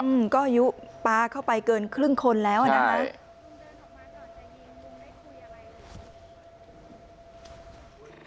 อืมก็อายุป๊าเข้าไปเกินครึ่งคนแล้วอ่ะนะคะ